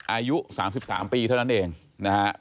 อายุ๓๓ปีเท่านั้นเองนะฮะ